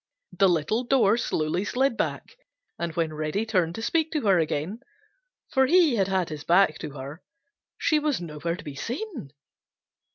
The little door slowly slid back, and when Reddy turned to speak to her again, for he had had his back to her, she was nowhere to be seen.